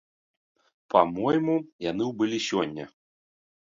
Па-мойму, яны ўбылі сёння.